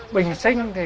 bình sinh thì